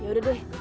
ya udah deh